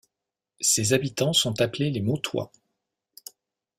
Ses habitants sont appelés les Mottois.